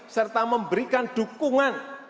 serta memberikan dukungan